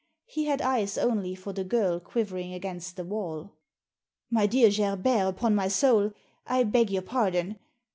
He had eyes only for the girl quivering against the wall. "My dear Gerbert, upon my soul, I beg your pardon.